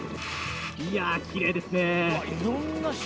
いやー、きれいですね。